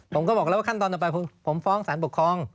ผมก็บอกแล้วว่าขั้นตอนต่อไปผมฟ้องสารปกครอง